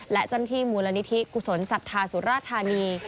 และเจ้าหน้าที่มูลนิธิกุศลศรัทธาสุราธานี